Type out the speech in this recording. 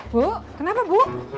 bu kenapa bu